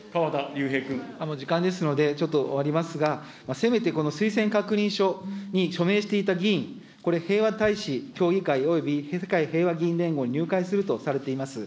時間ですので、ちょっと終わりますが、せめてこの推薦確認書に署名していた議員、これ、平和たいし協議会および世界平和連合に入会するとされています。